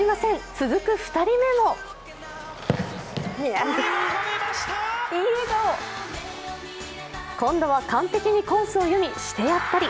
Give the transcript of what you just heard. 続く２人目も今度は完璧にコースを読み、してやったり。